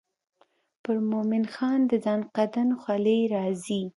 پر مومن خان د زکندن خولې راځي.